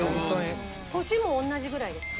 年も同じぐらいですか？